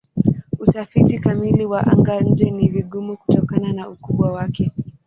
Utafiti kamili wa anga-nje ni vigumu kutokana na ukubwa wake.